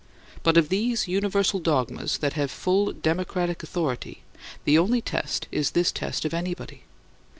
But of these universal dogmas that have full democratic authority the only test is this test of anybody.